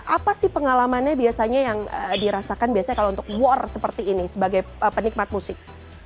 apa sih pengalamannya biasanya yang dirasakan biasanya kalau untuk war seperti ini sebagai penikmat musik